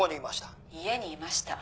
家にいました。